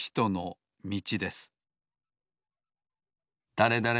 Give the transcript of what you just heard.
だれだれ